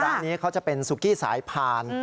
ร้านนี้เขาจะเป็นซุกี้สายพาน